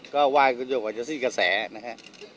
ก็ว่าอยู่กว่าจะซีกระแสนะฮะ